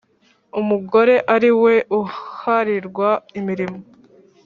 umugore ari we uharirwa imirimo